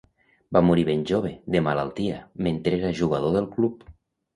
Va morir ben jove, de malaltia, mentre era jugador del club.